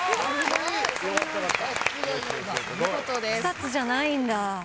草津じゃないんだ。